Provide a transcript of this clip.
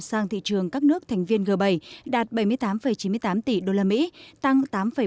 sang thị trường các nước thành viên g bảy đạt bảy mươi tám chín mươi tám tỷ usd tăng tám bảy